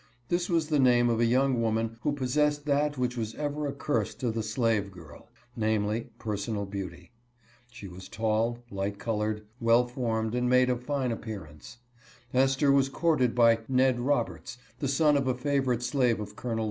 This was the name of a young woman who possessed that which was ever a curse to the slave girl — namely, personal beauty. She was tall, light colored, well formed, and made a fine ap pearance. Esther was courted by " Ned Roberts," the son of a favorite slave of Col.